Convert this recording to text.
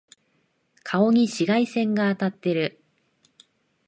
顔に紫外線が当たってる。